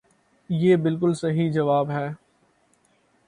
یہ بلکل صحیح جواب ہے۔